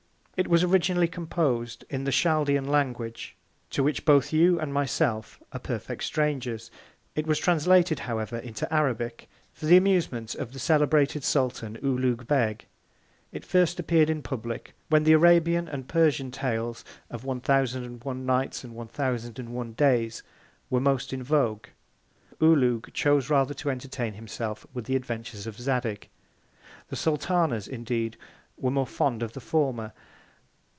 It was originally compos'd in the Chaldean Language, to which both you and my self are perfect Strangers. It was translated, however, into Arabic, for the Amusement of the celebrated Sultan OULOUG BEG. It first appear'd in Public, when the Arabian and Persian Tales of One Thousand and One Nights, and One Thousand and One Days, were most in Vogue: OULOUG chose rather to entertain himself with the Adventures of Zadig. The Sultanas indeed were more fond of the former.